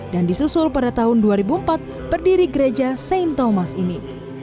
disusul pada tahun dua ribu empat berdiri gereja sain thomas ini